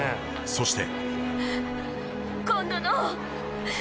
そして